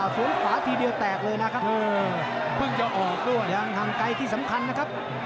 สวนขวาทีเดียวแตกเลยนะครับเพิ่งจะออกด้วยห่างไกลที่สำคัญนะครับ